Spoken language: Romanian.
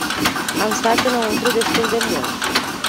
Am stat înăuntru destul de mult.